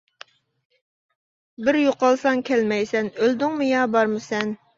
بىر يوقالساڭ كەلمەيسەن، ئۆلدۈڭمۇ يا بارمۇ سەن.